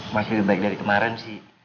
masih lebih baik dari kemarin sih